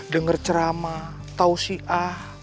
dengar ceramah tausiah